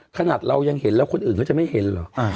ขนาดเรายังเห็นแล้วคนอื่นเขาจะไม่เห็นเหรอ